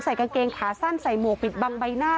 กางเกงขาสั้นใส่หมวกปิดบังใบหน้า